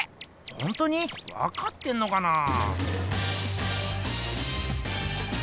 ほんとにわかってんのかなぁ？